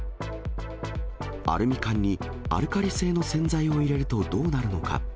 アルミ缶にアルカリ性の洗剤を入れるとどうなるのか。